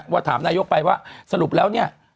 ว่าถามนายกไปว่าสรุปแล้วเนี่ย